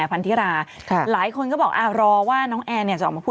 พยายามอยู่ตรงนี้ใช่ไหมไม่มี